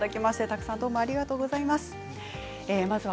たくさんどうもありがとうございました。